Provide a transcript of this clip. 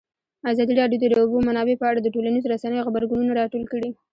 ازادي راډیو د د اوبو منابع په اړه د ټولنیزو رسنیو غبرګونونه راټول کړي.